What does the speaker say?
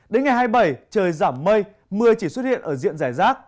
đến ngày hai mươi bảy trời giảm mây mưa chỉ xuất hiện ở diện giải rác